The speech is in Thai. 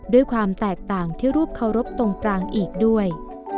ด้วยความแตกต่างที่รูปเคารพตรงกลางอีกด้วย